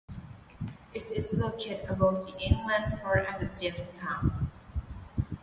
It is located above the English fort at Jamestown.